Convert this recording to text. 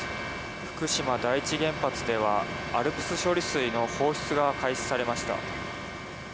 福島第一原発ではＡＬＰＳ処理水の放出が開始されました。